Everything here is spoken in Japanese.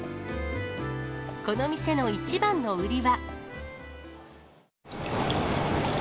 この店の一番の売りは。